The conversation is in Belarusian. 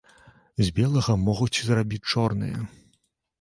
З белага могуць зрабіць чорнае.